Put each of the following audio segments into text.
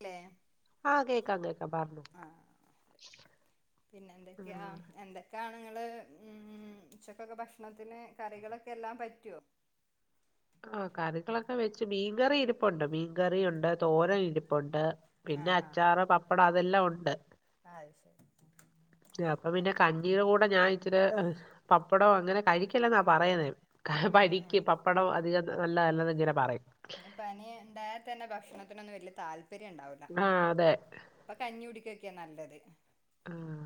ല്ലേ ആ കേക്ക് കതെ [unintelligible] പറഞ് ആഹ് ഉം ങ്ങൾ ഉം ഉച്ചക്കൊക്കെ ഭക്ഷണത്തിന് കറികളൊക്കെ എല്ലാം പറ്റുവോ ആ കറികളൊക്കെ വെച്ച് മീൻകറി ഇരിപ്പുണ്ട് മീൻകറിയുണ്ട് തോരൻ ഇരിപ്പുണ്ട് പിന്നെ ആഹ് ആഹ് അച്ചാറ് പപ്പടം അതെല്ലാം ഉണ്ട് അത് ശരി അപ്പൊ എൻ പിന്നെ കഞ്ഞീടെ കൂടെ ഞാൻ ഇച്ചിരി പ പപ്പടം അങ്ങനെ കഴിക്കില്ലെന്നാ പറയുന്നത് ഉം ഉം പരിക്ക് പപ്പടവും അധികം നല്ലതല്ലന്ന് ങ്ങനെ പറയും ഞ്ഞി പനിണ്ടായാൽ തന്നെ ഭക്ഷണത്തിനൊന്നും വല്യ താൽ പര്യംണ്ടാവൂല ആഹ് അതെ പ്പൊ കഞ്ഞി കുടിക്കൊക്കെ നല്ലത് ആഹ്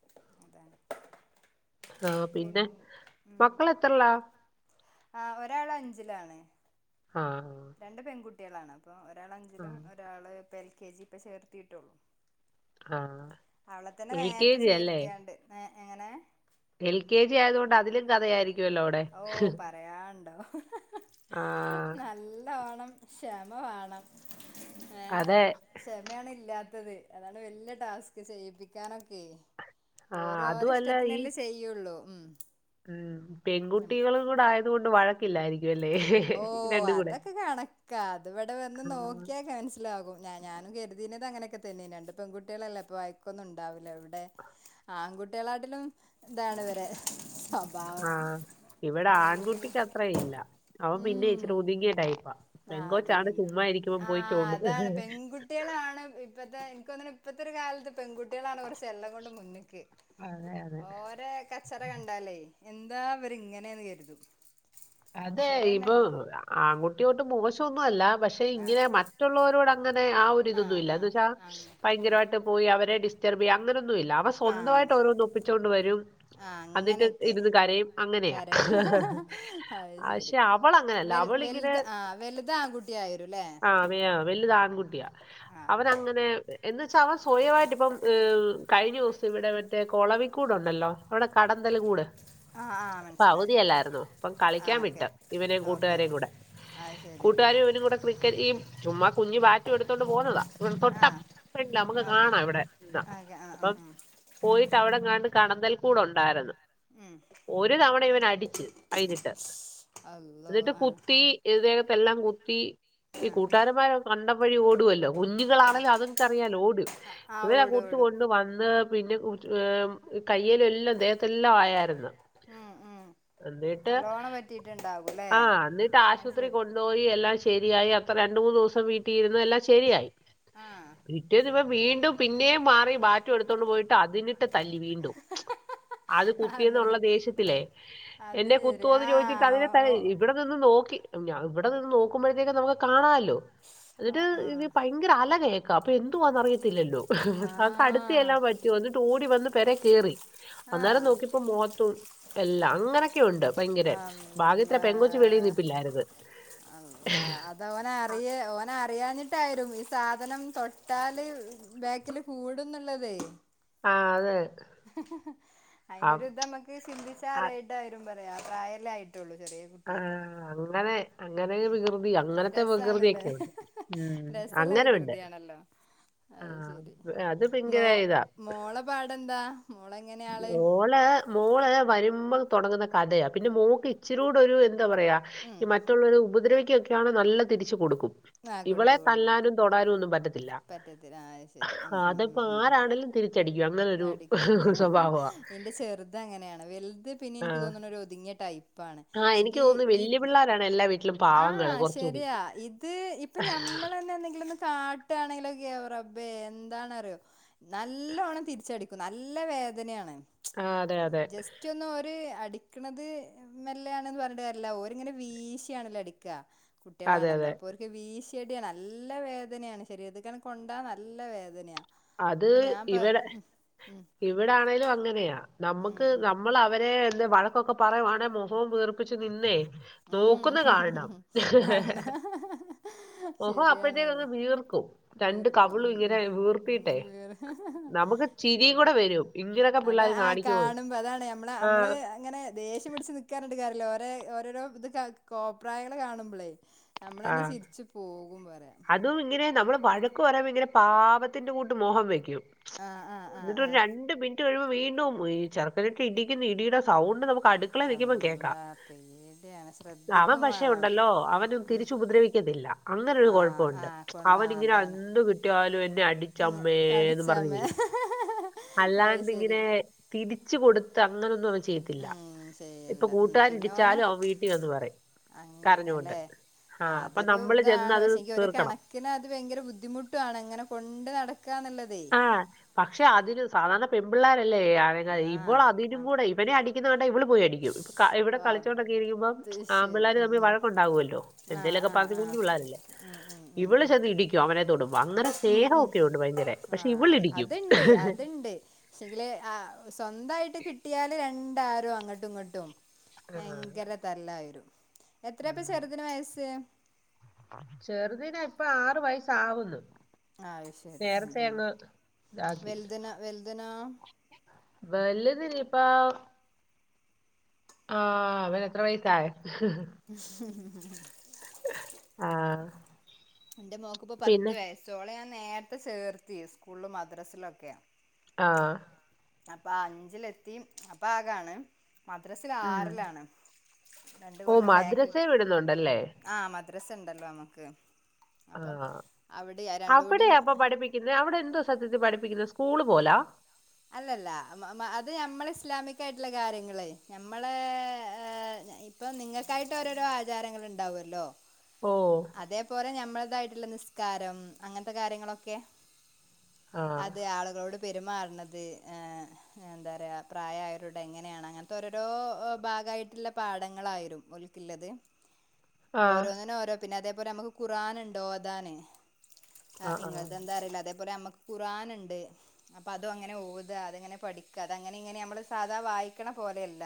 [unintelligible] ആ പിൻ പിന്നെ മക്കളത്രല്ലാ ആ ഒരാളഞ്ചിലാാണ് ആഹ് രണ്ട് പെൺകു ട്ട്യാളാണ് പ്പോ ഒരാളഞ്ചിലും ആഹ് ഒരാൾ പെ കെ ജി പ്പോ ചേർത്തിട്ടൊള്ളൂ ആഹ് അവളെ തന്നെ എൽ കെ നേരത്തെ ജി അല്ലേ ചേർത്തിയാണ്ട് നേ എൽ കെ ജി ആയതുകൊണ്ട് അതിലും കഥയായിരി [unintelligible] [unintelligible] [unintelligible] ന്നല്ലോണം ക്ഷമ വാണം ഏ അതെ ക്ഷമയാണ് ഇല്ലാ അതെ അതാണ് വല്യ ട്ടാസ്ക് ചെയ്യിപ്പിക്കാനൊക്കെ ആഹ് ഓര് അതുമല്ല ഈ ഓരഷ്ട്ടത്തിനല്ലേ ചെയ്യുള്ളൂ ഉം ഉം [unintelligible] ഉം പെൺകുട്ടികളുകൂടെ ആയതുകൊണ്ട് വഴ ഇില്ലായിരി ഓ അതൊക്കെ കണക്കാ അതിവടെ വന്ന് ആ നോക്കിയാ കാൻസലാകും ഞാ ഞാനും കരുതീന്നതങ്ങനൊക്കെതന്നേ രണ്ടു പെൺകുട്ടിയാളല്ലേഅപ്പോ വയക്കൊന്നും ഉണ്ടാവില്ല എവടെ ആൺകുട്ടികളാട്ടിലും താണ് ഇവരെ സ്വഭാവം ആ ഇവിടെ ആൺകുട്ടിക്ക് നല്ല അത്ര ഇല്ല അവം പിന്നെച്ചിരി ഒതുങ്ങ്യേട്ടയ്പ്പാ ആ അതിങ്ങെനെ ആ ചോണ്ടുന്നത് അതാണ് പെൺകുട്ടികളാണ് ഇപ്പത്തെ ക്ക് തോന്ന്ണ് ഇപ്പത്തൊരു കാലത്ത് പെൺകുട്ടികളാണ് കുറച്ച് എല്ലംകൊണ്ടും കൊണ്ട് മുന്നിക്ക് അതെ അതെ ഓരേ കച്ചറ കണ്ടാലേ എന്താവരിങ്ങനെന്ന് കരുതും അതെ ശരിയെന്നെ ഇപോ ആൺകുട്ടിയൊട്ട് മോശോ ന്നു അല്ല പക്ഷെ ആഹ് ഇങ്ങനെ മറ്റുള്ളോരോടങ്ങനെ ആ ഒരിതൊന്നും ആഹ് ഇല്ല എന്ന് ആഹ് വെച്ചാ ആഹ് ഭയങ്കരാ ആഹ് യിട്ട് പോയി അവരെ ഡിസ് റ്റ്ർബിയ അങ്ങനൊ ഒന്നുവില്ല അവൻ സ്വന്തമായിട്ട് അതെ ഓരോന്ന് ഒപ്പിച്ചോണ്ട് വരും ആഹ് എന്നിട്ട് അങ്ങനെയൊക്കെ ഇരുന്ന് കരയും അങ്ങനെയാ കരയും അത് ശരി പക്ഷെ അവള് അങ്ങനെയല്ല വൽ അവളിങ്ങനെ വലുത് ആഹ് വലുത് ആൺകുട്ടിയായിരുല്ലേ ആ വലുത് ആൺകുട്ടിയാ ആഹ് അവനങ്ങനെ എന്നുവച്ചാ അവൻ സ്വയവായിട്ട് ഇപ്പം കഴിഞ്ഞ ദിവസം ഇവിടെ മറ്റേ കൊളവിക്കൂടുണ്ടല്ലോ അവിടെ കടന്തല് കൂട് ആഹ് ആഹ് അപ്പം മനസ്സിലായി അവധിയല്ലായിരുന്നോ അപ്പം കളി- ആ ക്കാൻ ഓക്കെ വിട്ട് ഇവനെയും ഓക്കെ കൂട്ടുകാരെയും കൂടെ അത് ശരി കൂട്ടുകാരും ഇവനും കൂടെ ക്രിക്കറ്റ് ഈ ചുമ്മാ കുഞ്ഞു ബാറ്റും എടുത്തോണ്ട് പോന്നതാ ആ തൊട്ടപ്പ [unintelligible] ണ്ടില്ല നമ്മുക്ക് ഓക്കെ കാണാം ഇവിടെ നിന്നാ ഓക്കെ ആ ആ അപ്പം ഉം പോയിട്ട് അവിടെങ്ങാണ്ട് കടന്തൽ കൂടുണ്ടായിരുന്നു ഉം ഒരു തവണ ഇവൻ അടിച്ചു അയിനട്ട് അള്ളോ എന്നിട്ട് ആ കുത്തി ഈ ദേഹത്തെല്ലാം ല്ലാം കുത്തി ആ ഈ കൂട്ടുകാരന്മാരെ കണ്ട- വഴി ഓടുവല്ലോ ആ കുഞ്ഞുങ്ങളാണേലും അതുങ്ങക്ക് അറിയാലോ ഓടും ആ ഇവനാ ഓടും ഓടും കുത്തുകൊണ്ട് വന്ന് പിന്നെ കയ്യേലെല്ലാം ദേഹത്തെല്ലാം ആയായിരുന്ന് ഉം ഉം എന്നിട്ട് നല്ലോണം പറ്റിയിട്ടുണ്ടാകുംല്ലേ ആഹ് അന്നിട്ട് അത് ആശുപത്രി ശരി കൊണ്ടോയി എല്ലാം ശരിയായി അപ്പം രണ്ടുമൂന്ന് ദിവസം വീട്ടിയിരുന്ന് എല്ലാം ശരിയായി ആ റ്റേന്ന് ഇവൻ- വീണ്ടും പിന്നെം മാറി ബാറ്റും എടുത്തോണ്ട് പോയിട്ട് അതിനട്ട് തല്ലി വീണ്ടും അത് അതെ കുത്തിന്നുള്ള ദേഷ്യത്തിലേ അത് എന്നെ ശരി ആ കുത്തോന്ന് ചോദിച്ചിട്ട് [unintelligible] ഓ ഓ തല്ലി ഇവിടെ നിന്ന് നോക്കി ഞാ ഇവിടെ നിന്ന് നോക്കുമ്പോഴത്തേക്ക് നമുക്ക് കാണാല ട്ടു ആ എന്നിട്ട് ഭയങ്കര അലക്കേ- ക്ക അപ്പം എന്തുവാന്ന് അറിയത്തി ത്തില്ലല്ലോ ഹ ആ ഹ് ഹ്അടുത്ത് ചെല്ലാൻ പറ്റോ എന്നിട്ട് ഓടിവന്ന് പെരെ- കേറി ആ അന്നേരം ആ നോക്കിപ്പോ മുഖത്തു- എല്ലാ അങ്ങനൊക്കെ ഉണ്ട് ഭയങ്കര ഭാഗ്യത്തിനാ അള്ളാ ആ പെങ്കോച്ച് വെളിനിപ്പില്ലായിരുന്ന് അള്ളാ അത് ഓന് അറിയ ഓന് [unintelligible] ഈ സാധനം തൊട്ടാല് ബേക്കില് കൂടുന്നുള്ളതേ ആഹ് അതെ ഹ് ഹ് ഹ് അയ്ന്റെ ഒരു ഇത് നമുക്ക് ചിന്തിച്ച അറിയായിട്ട വരുമ്പ ലെ ആ പ്രായല്ലേ ആയിട്ട് ആഹ് അങ്ങനെ അത് ഉം രസാണ് ലെ ഹ് ഹ് ഉം ഹ് രസള്ള അങ്ങനുണ്ട് വികൃതിയാണല്ലോ ആ അത് ഭയങ്കര ഇതാ മോള പാടെന്താ മോളെ മോള് മോള് വരുമ്പ മ്മൾ തൊടങ്ങുന്ന കഥയാ പിന്നെ മോക്ക് ഇച്ചിരി കൂടൊരു എ എന്താ പറയാ ഉം ഈ മറ്റുള്ളവരെ ഉപദ്രവി ക്കൊക്കെയാണ് നല്ല തിരിച്ച് കൊടുക്കും ആ ഇവളെ കൊടുക്കൂ കൊടുക്കൂ തല്ലാനും തൊടാനും ഒന്നും പറ്റത്തില്ല പറ്റത്തില്ല ആ അത് ശരി ഉം ഉം ഉം അതിപ്പോ ഉം ആരാണെങ്കിലും തിരിച്ചടിക്കും അങ്ങനൊരു ഹ് ഹ് ഹ് ഹ് ഹ് ഹ് എന്റെ ചെറുത് അങ്ങനെയാണ് വെലുത് പിന്നെ എനിക്ക് തോന്നണ് ഒരു ഒതുങ്ങിയ ടൈപ്പ് ആഹ് എനിക്ക് തോന്നുന്നു വല്ല്യ പിള്ളാരാണ് എല്ലാ വീട്ടിലും പാവങ്ങള് കുറച്ച് കൂടി ഈഹ് ഇപ്പം ഞമ്മളെന്നെ എന്തെങ്കിലും ഒന്ന് കാട്ടാണെങ്കിലൊ ഒക്കെ റബ്ബേ എന്താണറിയോ നല്ലോണം തിരിച്ചടിക്കും നല്ല വേദനയാണ് ആ അതെ അതെ ജസ്റ്റ് ഒന്ന് ഒരു അടി അടിക്കണത് മെല്ലയാണെന്ന് പറഞ്ഞിട്ട് കാര്യല്ല ഓരിങ്ങനെ വീശിയാണല്ലോ അടിക്കാ അതെ അതെ വീശിയടിയ നല്ല വേദനയാണ് ശരീരത്ത് ക്കാണ്ട് കൊണ്ടാ നല്ല വേദനയാ അത് അപ്പൊ ഞാൻ പ ഇവിടെ ഉം ഉം ഇവിടെ ആണേലും അങ്ങനെയാ ഉം നമുക്ക് ഉം നമ്മൾ അവരെ എന്താ വഴക്കൊക്കെ പറയുവാണേ മുഖോം വീർപ്പിച്ചു നിന്നേ നോക്കുന്ന കാണണം ഉം അന്ന ഓഹോ അപ്പോഴത്തേക്ക് ശരിയാണത് അങ്ങ് വീർക്കും രണ്ട് വീർക്കും കവിളും ഉം ഇങ്ങനെ ഉം വീർത്തി ഉം ശരി വരും ഇങ്ങനൊക്കെ അതാ പിള്ളേർ ആഹ് കാണിക്കുമ്പോൾ കാണുമ്പോ അതാണ് നമ്മള നമ്മള് അങ്ങനെ ദേഷ്യം പിടിച്ച് നിക്കാറ് ല്ല ഓരേ ഓരോരോ ഇത് കാ കോപ്രായങ്ങള് കാണുമ്പോളേ ആ നമ്മളന്നെ ചിരിച്ചു പോകും പറയാ അതും ഇങ്ങനെ നമ്മള് വഴക്ക് പറയുമ്പൊ ഇങ്ങനെ പാവത്തിന്റെ കൂട്ട് മൊഖം വെക്കും ആഹ് ആഹ് ആഹ് എന്നിട്ട് ഒരു ആഹ് രണ്ട് മിനിറ്റ് കഴിയുമ്പോ വീണ്ടും ഈ ചെറ്ക്കനെ ഇടിക്കുന്ന ഇടിയുടെ സൗണ്ട് നമുക്ക് അടുക്കളെ നിൽക്കുമ്പൊ കേൾക്കാം അള്ളാ പേടിയാണ് അവൻ ശ്രദ്ധിക്കും പക്ഷേ വേണം ഉണ്ടല്ലോ അവൻ ഉം തിരിച്ച് ഉപദ്രവിക്കത്തില്ല അങ്ങനെ കൊഴപ്പ ആഹ് ആഹ് കൊ അവൻ ആഹ് ഇങ്ങനെ അതാണ് എന്ത് കിട്ടിയാലും എന്നെ അങ്ങ് അടിച്ചമ്മേന്നും പറഞ്ഞു അടിച്ചമ്മേ വരും അത് അല്ലാണ്ട് ശരി ഇങ്ങനെ തിരിച്ച് കൊടുത്ത അങ്ങനെയൊന്നും പ ചെയത്തില്ല ഉം ഇപ്പൊ ശരിയല്ല ഉം കൂട്ടുകാൻ പിന്നെ ഓനെ ഇരിച്ചാലും അവ വീട്ടിൽ വന്ന് പറയും കരഞ്ഞൊണ്ട് അങ്ങനല്ലേ ആഹ ആ അപ്പൊ അതൊരു നമ്മള് ഇതാണ് ചെന്നത് പക്ഷെ എങ്കിൽ ഒരു കണക്കിന് അത് ഭയങ്കര ബുദ്ധിമുട്ടുമാണ് അങ്ങനെ കൊണ്ട് നട ആഹ പക്ഷെ അതിന് സാധാരണ പെൺ പിള്ളേരല്ലേ അനങ്ങാതെ ഇരി ആ ഇപ്പോൾ ആ അതിനും കൂടെ ഇവനെ അടിക്കുന്നത് കണ്ട പോയിടിക്കും ഇവിടെ ഓ കളിച്ചോണ്ടൊക്കെ ഇരിക്കുമ്പോ അത് ആ ശരി പിള്ളേർ ഉം തമ്മിൽ ഉം വഴക്കണ്ടാവകുമല്ലോ ആ എന്തേലുമൊക്കെ ആ പറഞ്ഞഞ് ആ കുഞ്ഞു പിള്ളേരല്ലേ ഉം ഉം ഉം ഇവള് ഉം ചെന്ന് ഇടിക്കും അവനെ തൊടുമ്പും അങ്ങനെ സ്നേഹമൊക്കെ ഉണ്ട് ഭയങ്കര ആ ഇവളിടിക്കും അതുണ്ട് അതുണ്ട് പക്ഷെങ്കില് സ്വന്തായിട്ട് കിട്ടിയാല് രണ്ട് ഇ ആരോ അങ്ങോട്ടും ഇങ്ങോട്ടും ആ ഭയങ്കര തല്ലായി എത്രയപ്പ ചെറുതിന് വയസ്സ് ചെറുതിനാ ഇപ്പ ആറു വയസ ആവുന്നു ആ ശരി ഉം ഉം ഇതാക്കി വലുത്തിനോ ഇപ്പ ആ അവന എത്ര വയസായ [unintelligible] ആഹ് എന്റെ മോക്ക് ഇപ്പോ പത്ത് വയസ്സോളെ നേരത്തെ ചേർത്തി സ്കൂളും മദ്രസിലും ഒക്കെയ ആഹ് അപ്പൊ അഞ്ചിലെത്തി അപ്പൊ ആകാണ് മദ്രാസില ഉം ആറിലാണ് രണ്ടു ഓ കൊല്ലം ബാക്ക് മദ്രസ വിടുന്നുണ്ടല്ലേ ആ മദ്രസ്സണ്ടല്ലോ നമുക്ക് അപ്പം ആഹ് അവിടെ രണ്ടും അവിടെ അപ്പൊ കൂടിയും പഠിപ്പിക്കുന്നത് അവിടെ എന്തോ സത്യത്തിൽ പഠിപ്പ ക്കുന്നെ സ്കൂള് പോലാ അല്ലല്ല അത് ഞമ്മൾ ഇസ്ലാമിക്ക ആയിട്ടുള്ള കാര്യങ്ങള് ഞമ്മളെ ഇപ്പൊ നിങ്ങൾക്കായിട്ട് ഓരോരോ ആചാരങ്ങൾ ഉണ്ടാവല്ലോ ഓ അതേപോലെ ഞമ്മ അതായിട്ടുള്ള നിസ്കാരം അങ്ങനത്തെ കാര്യങ്ങളൊക്കെ ആ അത് ആളുകളോട് പെരുമാറുന്നത് അത് ആ എന്താ പറയുക പ്രായമായവരോട് എങ്ങനെയാണ് അങ്ങനത്തെ ഓരോരോ ഭാഗമായിട്ടുള്ള പാടങ്ങളായിരും ഉൽക്കുള്ളത് ആ ഓരോന്നിനും ഓരോ പിന്നെ അതേപോലെ നമുക്ക് ഖുർആൻഉണ്ട് ഓതാൻ ആ ഇംഗ്ളിതെന്താ അറില്ല അതെ പിന്നെ നമക്ക് ഖുർആൻ ഉണ്ട് അപ്പൊ അതും അങ്ങനെ ഓതുവാ അത് അങ്ങനെ പഠിക്കുവാ അത് അങ്ങനെ ഇങ്ങനെ നമ്മള് സാധാ വായിക്കണ പോലെയല്ല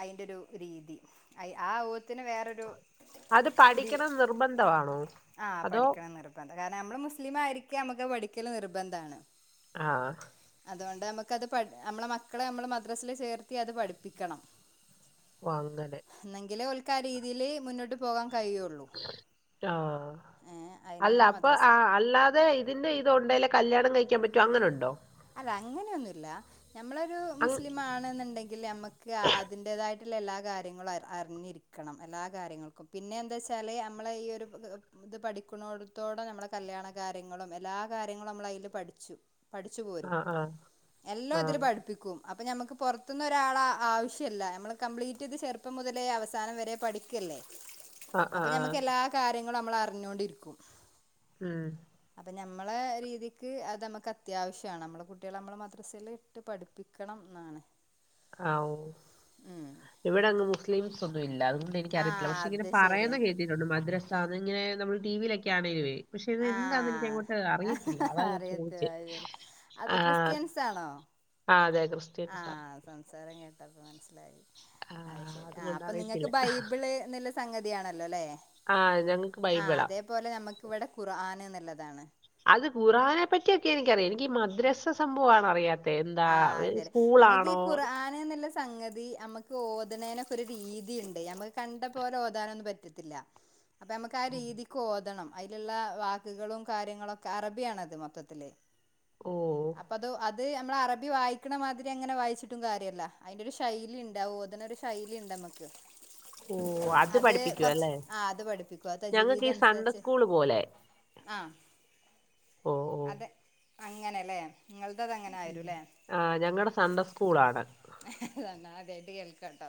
അതിന്റെ ഒരു രീതി ആയി ആ ഒരു ഓത്തിന് വേറൊരു അത് ഒരു പഠിക്കണം നിർബന്ധമാണോ ആഹ് അതോ പഠിക്കണന്ന് നിർബന്ധ കാരണം നമ്മള് മുസ്ലിം ആരിക്കെ നമുക്ക് പഠിക്കല് നിർബന്ധണ് ആഹ് അതുകൊണ്ട് നമുക്കത് പഠിനമ്മള മക്കളെ നമ്മള് മദ്രാസില് ചേർത്തി അത് പഠിപ്പിക്കണം ഓഹ് അങ്ങനെ ക്കാ രീതിയിൽ മുന്നോട്ട് പോകാം ആഹ് ഏഹ് അല്ല അയിനാണ് അപ്പൊ മദ്രസ ആഹ് അല്ലാതെ ഇതിന്റെ ഇത് ഉണ്ടെലെ കല്യാണം കഴിക്കാൻ പറ്റു അങ്ങനെ ഉണ്ടോ അല്ല അങ്ങനെയൊന്നുല്ലാ ഞമ്മളരു അങ് മുസ്ലിം ആണെന്നുണ്ടെങ്കിൽ നമ്മുക്ക് അതിന്റേതായിട്ട് എല്ലാ കാര്യങ്ങളും അറിഞ്ഞിരിക്കണം എല്ലാ കാര്യങ്ങൾക്കും പിന്നെ എന്താ വെച്ചാല് നമ്മളെ ഈ ഒരു ഇത് പഠിക്കുന്നടത്തോടെ നമ്മെ കല്യാണ കാര്യങ്ങളും എല്ലാ കാര്യങ്ങളും നമ്മള് അതിൽ പഠിച്ചു പാ ച്ച് പോരും ആഹ് ആഹ് എല്ലാം അതില് ആഹ് പഠിപ്പിക്കും അപ്പം ഞമക്ക് പുറത്തുനിന്ന് ഒരാളെ ആവശ്യല്ല ഞമ്മൾ കംപ്ലീറ്റ് ഇത് ചെറുപ്പം മുതലേ അവസാനം വരെ പഠിക്കല്ലേ ആഹ് അപ്പൊ ആഹ് ആഹ് ഞമ്മക്ക് എല്ലാ കാര്യങ്ങളും നിങ്ങൾ നമ്മൾ അറിഞ്ഞൊണ്ടിരിക്കും മ്മ് ഞമ്മളെ രീതിക്ക് അത് നമുക്ക് അത്യാവശ്യം യാണ് നമ്മുടെ കുട്ടികളെ നമ്മൾ മദ്രസെൽ വിട്ട് പഠിപ്പിക്കണം എന്നാണ് ആ ഉം ഇവിടെങ്ങ് മുസ്ലിംസ് സ്വത്ത്‌ ഒന്നും ഇല്ല അതുകൊണ്ട് എനിക്ക് ആ അറിയത്തില്ല പക്ഷെ ഇങ്ങനെ അത് ശരിയാ പറയുന്ന കേട്ടിട്ടുണ്ട് മദ്രാസിലാണ് സാധാ ഇങ്ങനെ നമ്മള് ടി വി യിലൊക്കെ ആണേലേവേ പക്ഷെ ഇത് ആ എന്താന്ന് എനിക്ക് അങ്ങോട്ട്- അറിയത്തില്ല അതാ ഞാൻ അറിയത്തില്ല ചോദിച്ചേ അത് ശരി അത് ക്രിസ്ത്യൻസ് ആണോ ആ അതെ ക്രിസ്ത്യൻസ് ആ സംസാരം എങ്ങനെ ഉണ്ടെന്ന് മനസ്സിൽ ആയി ആഹ് അതുശരി അതുകൊണ്ട് അപ്പൊ നിങ്ങൾക്ക് അറിയത്തില്ല ബൈബിൾ സംഗതിയാണ് അ ല്ലല്ലോല്ലെ ആഹ് ഞങ്ങക്ക് ആഹ് ബൈബിളാ അതേപോലെ നമുക്ക് ഇവിടെ ഖുർആൻ നല്ലതാണ് അത് ഖുറാനെ പറ്റിയൊക്കെ എനിക്കറിയാം എനിക്ക് മദ്രസ സംഭവമാണ് അറിയാത്തെ എന്താ ആഹ് ശരി അങ്ങക്ക് ഈ സ്കൂളാണോ ഖുർആൻ എന്നുള്ള സംഗതി നമ്മുക്ക് ഓ ഓത് നേനൊക്കെ ഒരു രീതി ഉണ്ട് ഞമ്മുക്ക് കണ്ട പോലെ ഓതാനൊന്നും പറ്റത്തില്ല അപ്പൊ നമുക്ക് ആ രീതിക്ക് ഓതണം അയ്ലുള്ള വാക്കുകളും കാര്യങ്ങളൊക്കെ അറബിയാണത് മൊത്തത്തില് ഓ അപ്പ അത് അത് നമ്മള് അറബി വായിക്കണ മാതിരി അങ്ങനെ വായിച്ചിട്ടും കാര്യമല്ല അതിന്റെ ഒരു ശൈലി ഇണ്ട് ഓതണ ഒരു ശൈലി ഇണ്ട് നമ്മക്ക് ഓ അത് പഠിപ്പിക്കും കൊറച്ച് അല്ലേ ആ അത് പഠിപ്പിക്കും അ ഞങ്ങൾക്ക് തജവീത് ഈ സൺഡേ അനുസരിച്ച് സ്കൂൾ പോലെ ആഹ ഓ ഓ അതെ അങ്ങനെയല്ലേ നിങ്ങള്ത് അതങ്ങന ആയിരുന്നു ഉം ആ ഞങ്ങളടെ സൺഡേ സ്കൂള ആണ് കേൾക്കനുണ്ടോ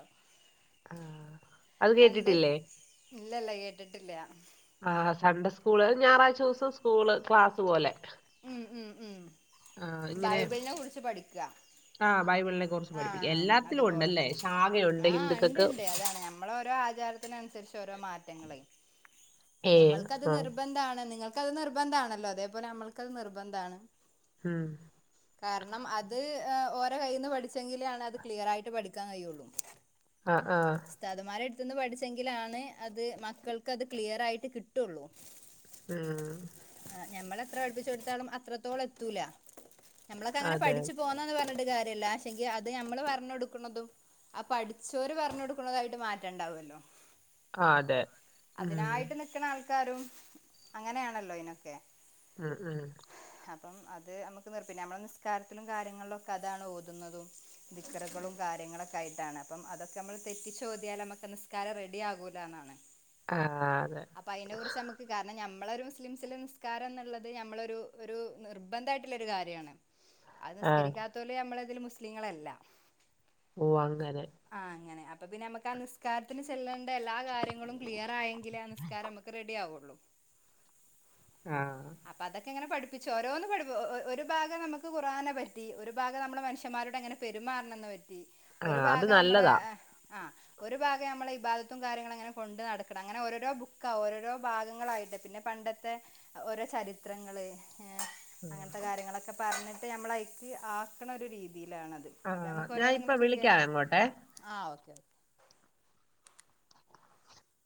ആഹ അത് കേട്ടിട്ടില്ലേ ഇല്ലല്ല കേട്ടിട്ടില്ല ആഹ് സൺഡേ സ്കൂള് ഞായറാഴ്ച ദിവസം സ്കൂള് ക്ലാസ് പോലെ ഉം ഉം ഉം ബൈബിളിനെ കുറിച്ച് പഠിക്കുക ആഹ് ആഹ അതുപോലെ ശാഖയുണ്ട് ആ ഇണ്ട് ഹിന്ദുക്കൾക്ക് ഇണ്ട് അതാണ് ഞമ്മള ഓരോ ആചാരത്തിനനുസരിച്ച് ഓരോ മാറ്റങ്ങളേയ് ഏ ഞമ്മൾക്കത് ആ നിർബന്ധമാണ് നിങ്ങൾക്ക്? നിങ്ങൾക്ക് അത് നിർബന്ധ ആണല്ലോ അതേപോലെ നമ്മൾക്കത് നിർബന്ധമാണ് ഉം കാരണം അത് ഓരോ കയ്യിൽന്ന് പഠി പടിച്ചെങ്കിലെ അത്ക്ലിയറായിട്ട് പഠിക്കാൻ കഴിയള്ളൂ ആഹ ആഹ പഠിച്ചെങ്കിലാണ് അത് മക്കൾക്ക് അത് ക്ലിയർ ആയിട്ട് കിട്ടുള്ളൂ ആഹ ആ ഞമ്മളെത്ര പഠിപ്പിച്ചെടുത്തോളും അത്രത്തോളം എത്തൂല നമ്മളൊക്കെ അങ്ങന അതെ പഠിച്ചു പോന്നൂന്ന് പറ പ്പണ്ട്കാര്യല്ല ച്ചെങ്കി അത് നമ്മള് പറഞ്ഞ് കൊടുക്ക്ണതും ആ പഠിച്ചോര് പറഞ്ഞ് കൊടുക്കുന്നതായിട്ടും മാറ്റേണ്ടാവല്ലോ ആ അതെ ഉം ക്കാരും അങ്ങനെയാണല്ലോ അയ്നൊക്കെ ഉം ഉം അപ്പം അത് നമുക്ക് നിർ പിന്നെ നമ്മള് നിസ്കാരത്തിലും കാര്യങ്ങളിലും ഒക്കെ അതാണ് ഓത് തുന്നതും ദിക്കർകളും കാര്യങ്ങളൊക്കെ ആയിട്ടാണ് അപ്പം അതൊക്കെ നമ്മൾ തെറ്റിച്ചോതിയാൽ നമ്മക്ക് നിസ്കാരം റെഡി ആകൂല എന്നാണ് ആഹ അതെ നമ്മള് ഒരു മുസ്ലിംസിലെ നിസ്കാരം എന്നുള്ളത് ഞമ്മളൊരു ഒരു നിർബന്ധ ആയിട്ടുള്ള ഒരു കാര്യമാണ് അത് ആ നിസ്കരിക്കാത്തോല് അമ്മള്‌ [unintelligible] മുസ്ലീങ്ങളല്ല ഓ അങ്ങനെ അപ്പ പിന്നെ അമ്മക്ക് നിസ്കാരത്തിന് ചെല്ലൽ ണ്ട എല്ലാ കാര്യങ്ങളും ക്ലിയർ ആയെങ്കിലേ ആ നിസ്കാരം ഞമ്മക്ക് റെഡി ആവുള്ളൂ ആ അപ്പൊ അതൊക്കെ ഇങ്ങനെ പഠിപ്പ ച്ച ഓരോന്ന് പഠ ഒരു ഭാഗം നമുക്ക് കുർആനെ പറ്റി ഒരു ഭാഗ നമ്മളെ മനുഷ്യ മ്മാരോട് എങ്ങെനെ പെരുമാറണംന്ന് വെ ആ അത് നല്ലതാ ആ ഒരു ഭാഗം നമ്മളെ ഇബാദത്തും കാര്യങ്ങളും അങ്ങനെ കൊണ്ട് നടക്കണം അങ്ങനെ ഓരോരോ ബുക്കാ ഓരോരോ ഭാഗങ്ങളായിട്ട് പിന്നെ പണ്ടത്തെ ഓരോ ചരിത്രങ്ങള് ആ. അങ്ങനത്തെ കാര്യങ്ങളൊക്കെ പറഞ്ഞിട്ട് നമ്മളഐക്ക് ആക്കണ ഒരു രീതി യിലാണത് ആ അപ്പ നമുക്ക് ഞാൻ ഓരോന്ന് ഇപ്പൊ ങ്ങനെ ചെയ്യാ വിളിക്കാം അങ്ങോട്ടേ ആ ഓക്കേ